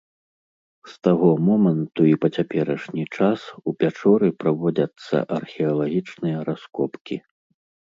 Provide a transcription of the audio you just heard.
З таго моманту і па цяперашні час у пячоры праводзяцца археалагічныя раскопкі.